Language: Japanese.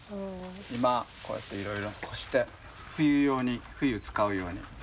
今こうやっていろいろ干して冬用に冬使うように。